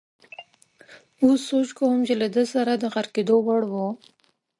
اوس سوچ کوم چې له ده سره د غرقېدو وړ وو.